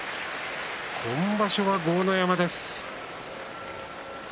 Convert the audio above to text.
今場所は豪ノ山でした。